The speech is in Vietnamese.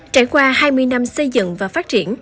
trải qua hai mươi năm xây dựng và phát triển